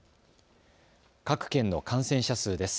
各県の感染者数です。